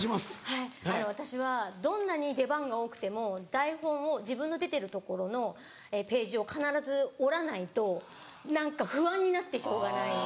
はい私はどんなに出番が多くても台本を自分の出てるところのページを必ず折らないと何か不安になってしょうがない。